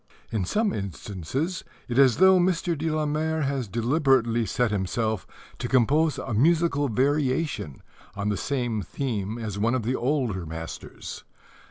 In some instances it is as though Mr. de la Mare had deliberately set himself to compose a musical variation on the same theme as one of the older masters.